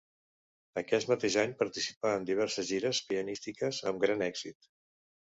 Aquest mateix any participà en diverses gires pianístiques, amb gran èxit.